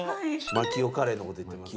マキオカレーの事言ってますね。